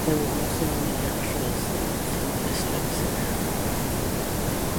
There were also yatras that went through districts in Haryana.